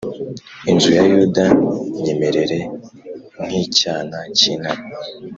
inzu ya Yuda nyimerere nk’icyana cy’intare;